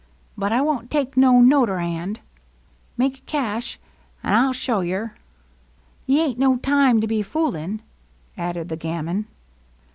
^' But I won't take no noter hand. Make it cash, an' I '11 show yer. Te ain't no time to be f oolin'," added the gamin.